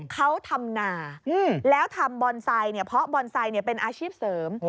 เขาทำนาแล้วทำบอนไซค์เนี่ยเพราะบอนไซค์เป็นอาชีพเสริม